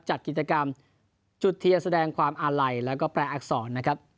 จัดกิจกรรมจุดเทียนแสดงความอาลัยแล้วก็แปลอักษรนะครับ